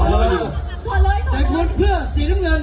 มีรอยสู้กับฉลาดด้วย